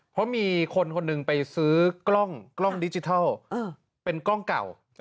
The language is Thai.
เพราะมีคนคนหนึ่งไปซื้อกล้องดิจิทัลเป็นกล้องเก่า